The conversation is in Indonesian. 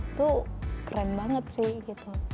itu keren banget sih